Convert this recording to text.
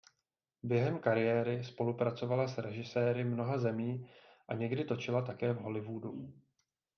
Během kariéry spolupracovala s režiséry mnoha zemí a někdy točila také v Hollywoodu.